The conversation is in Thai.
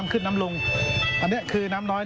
เข้มข้นหน่อย